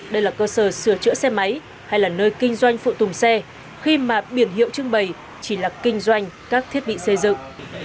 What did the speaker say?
đây là cơ sở sửa chữa xe máy hay là nơi kinh doanh phụ tùng xe khi mà biển hiệu trưng bày chỉ là kinh doanh các thiết bị xây dựng